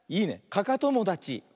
かかともだち。